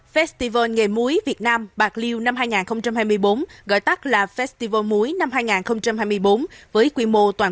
festival nghề muối việt nam bạc liêu năm hai nghìn hai mươi bốn gọi tắt là festival muối năm hai nghìn hai mươi bốn với quy mô toàn